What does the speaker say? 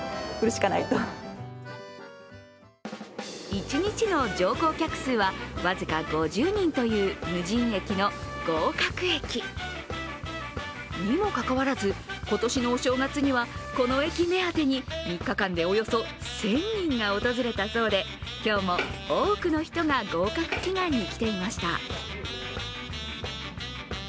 一日の乗降客数は僅か５０人という無人駅の合格駅。にもかかわらず、今年のお正月にはこの駅目当てに３日間でおよそ１０００人が訪れたそうで今日も多くの人が合格祈願に来ていました。